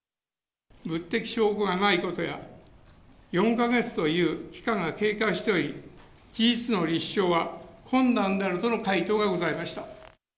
物的証拠がないことや、４か月という期間が経過しており、事実の立証は困難であるとの回答がございました。